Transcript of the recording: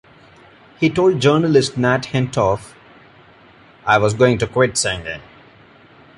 He told journalist Nat Hentoff: I was going to quit singing.